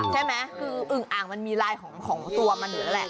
ใช่ไหมคืออึ่งอ่างมันมีลายของตัวมันอยู่นั่นแหละ